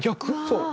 そう。